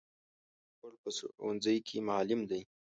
بشیر په ښونځی کی معلم دی.